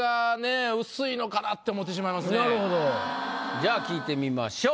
じゃあ聞いてみましょう。